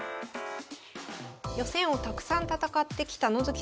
予選をたくさん戦ってきた野月先生